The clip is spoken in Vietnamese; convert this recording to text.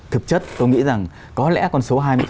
thực chất tôi nghĩ rằng có lẽ con số hai mươi